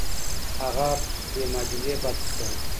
هغه بې معجزې پاتې شوه.